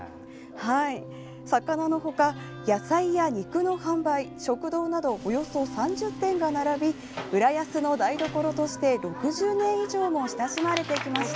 魚の他、野菜や肉の販売食堂など、およそ３０店が並び浦安の台所として６０年以上も親しまれてきました。